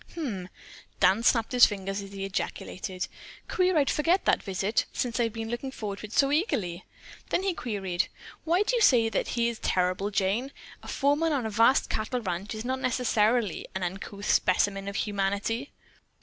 "Hm!" Dan snapped his fingers as he ejaculated. "Queer I'd forget that visit, since I have been looking forward to it so eagerly." Then he queried: "Why do you say that he is terrible, Jane? A foreman on a vast cattle ranch is not necessarily an uncouth specimen of humanity."